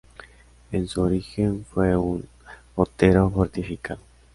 En su origen fue un otero fortificado.